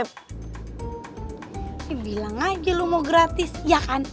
bilang aja lo mau gratis ya kan